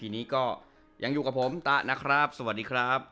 นี้ก็ยังอยู่กับผมตาสวัสดีครับ